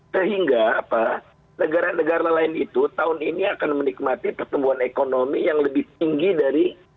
sehingga negara negara lain itu tahun ini akan menikmati pertumbuhan ekonomi yang lebih tinggi dari